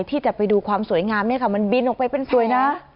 ที่จะไปดูความสวยงามเนี่ยค่ะมันบินออกไปเป็นสวยนะ